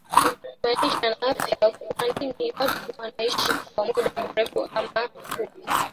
MAISHA NA AFYA Kwanini watu wanaishi kwa muda mrefu ama mfupi?